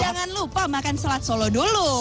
jangan lupa makan selat solo dulu